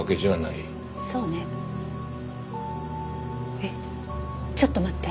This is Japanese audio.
えっちょっと待って。